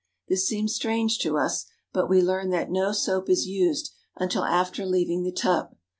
This seems strange to us, but we learn that no soap is used until after leaving the tub.